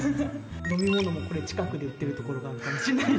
飲み物もこれ近くで売ってる所があるかもしんない。